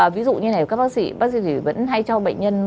ví dụ như này các bác sĩ vẫn hay cho bệnh nhân